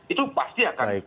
itu pasti akan